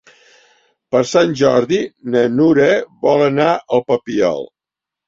Per Sant Jordi na Nura vol anar al Papiol.